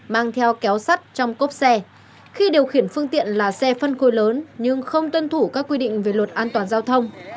mang theo kéo sắt trong cốp xe khi điều khiển phương tiện là xe phân khối lớn nhưng không tuân thủ các quy định về luật an toàn giao thông